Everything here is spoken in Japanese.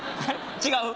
違う？